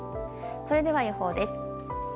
それでは予報です。